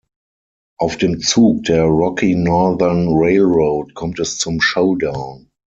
Auf dem Zug der Rocky Northern Railroad kommt es zum Showdown.